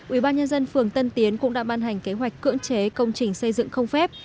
ubnd phường tân tiến cũng đã ban hành kế hoạch cưỡng chế công trình xây dựng không phép